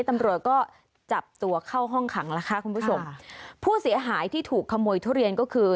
ตำรวจก็จับตัวเข้าห้องขังล่ะค่ะคุณผู้ชมผู้เสียหายที่ถูกขโมยทุเรียนก็คือ